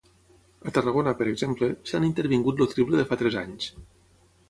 A Tarragona, per exemple, s'han intervingut el triple de fa tres anys.